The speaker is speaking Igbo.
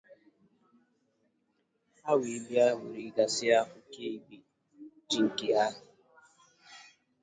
ha wee bịa weregasịa òkè ibe ji nke ha